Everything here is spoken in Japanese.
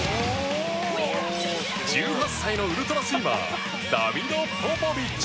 １８歳のウルトラスイマーダビド・ポポビッチ